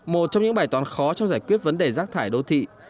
một trong những bài toán khó trong giải quyết vấn đề rác thải đô thị